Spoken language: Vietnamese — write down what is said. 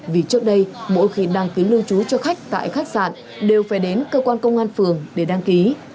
vì trước đây mỗi khi đăng ký lưu trú cho khách tại khách sạn đều phải đến cơ quan công an phường để đăng ký